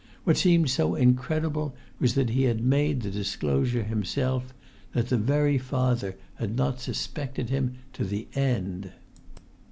What seemed so incredible was that he had made the disclosure himself, that the very father had not suspected him to the end!